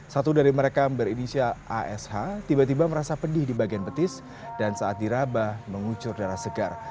satu dari mereka berinisial ash tiba tiba merasa pedih di bagian petis dan saat diraba mengucur darah segar